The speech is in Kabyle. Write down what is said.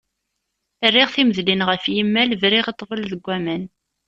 Rriɣ timedlin ɣef yimal, briɣ i ṭṭbel deg uman.